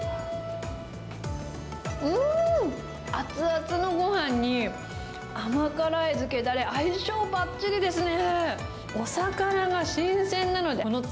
うーん、熱々のごはんに、甘辛い漬けだれ、相性ばっちりですね。